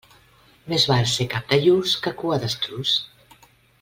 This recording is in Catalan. Més val ser cap de lluç que cua d'estruç.